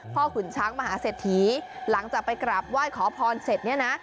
ขุนช้างมหาเศรษฐีหลังจากไปกราบไหว้ขอพรเสร็จเนี่ยนะ